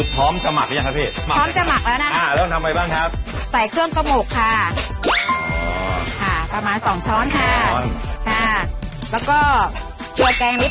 พร้อมจะหมักหรือยังครับพี่